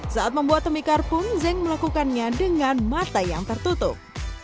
saat membuat temi karpung zeng melakukannya dengan mata yang tertutup